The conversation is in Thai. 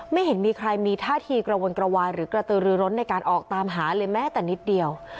ไม่เห็นมีใครมีท่าทีกระวนกระวายหรือกระตือรือร้นในการออกตามหาเลยแม้แต่นิดเดียว